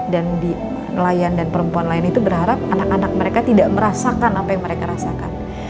dan nelayan dan perempuan nelayan itu berharap anak anak mereka tidak merasakan apa yang mereka rasakan